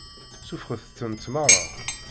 Suffɣet-tent meṛṛa.